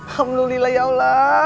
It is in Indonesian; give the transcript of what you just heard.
alhamdulillah ya allah